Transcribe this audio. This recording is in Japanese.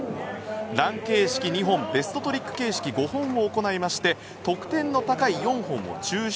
ラン形式２本ベストトリック形式５本を行いまして得点の高い４本を抽出。